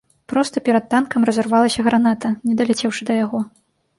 Проста перад танкам разарвалася граната, не даляцеўшы да яго.